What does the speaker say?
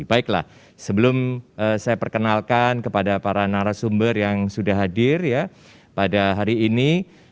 baiklah sebelum saya perkenalkan kepada para narasumber yang sudah hadir pada hari ini